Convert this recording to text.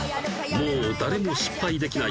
もう誰も失敗できない